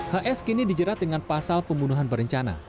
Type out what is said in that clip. hs kini dijerat dengan pasal pembunuhan berencana